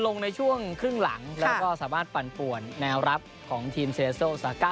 ลงในช่วงครึ่งหลังแล้วก็สามารถปั่นป่วนแนวรับของทีมเซเซิลซาก้า